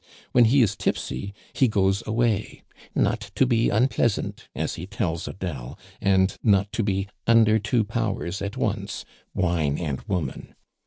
"When he is tipsy he goes away 'not to be unpleasant,' as he tells Adele, and not to be 'under two powers at once,' wine and woman.